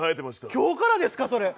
今日からですか、それ？